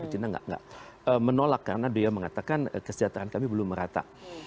china tidak menolak karena dia mengatakan kesejahteraan kami belum merata